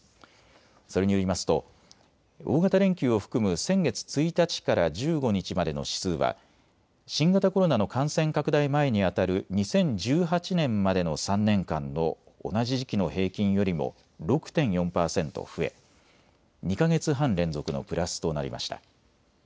それによりますと大型連休を含む先月１日から１５日までの指数は新型コロナの感染拡大前にあたる２０１８年までの３年間の同じ時期の平均よりも６．４％増え２か月半連続のプラスとなりました。